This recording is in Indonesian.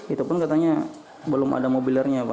itu pun katanya belum ada mobilernya pak